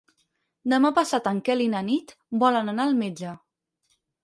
Demà passat en Quel i na Nit volen anar al metge.